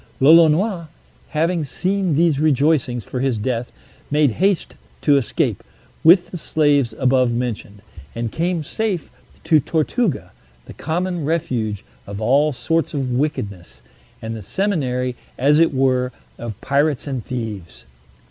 Lolonois, having seen these rejoicings for his death, made haste to escape, with the slaves above mentioned, and came safe to Tortuga, the common refuge of all sorts of wickedness, and the seminary, as it were, of pirates and thieves.